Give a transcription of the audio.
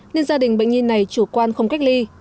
nên gia đình bệnh nhi này chủ quan không cách ly